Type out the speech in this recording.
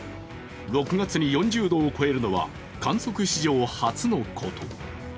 ６月に４０度を超えるのは観測史上初のこと。